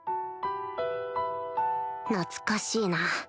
懐かしいな